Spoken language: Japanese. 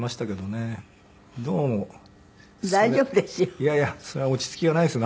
いやいやそれは落ち着きがないですな。